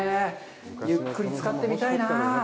ゆっくりつかってみたいなあ。